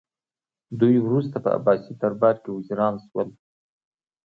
دوی وروسته په عباسي دربار کې وزیران شول